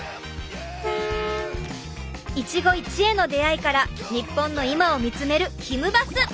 一期一会の出会いから日本の今を見つめる「ひむバス！」